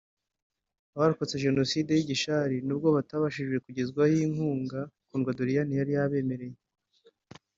Abarokotse Jenoside b’i Gishari nubwo batabashije kugezwaho inkunga Kundwa Doriane yari yabemereye